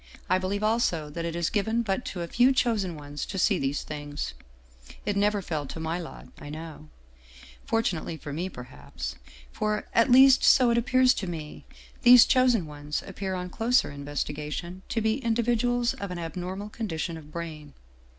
I believe also that it is given but to a few chosen ones to see these things. It never fell to my lot, I know. Fortunately for me, perhaps. For, at least so it appears to me, these chosen ones appear on closer in vestigation to be individuals of an abnormal condition of brain.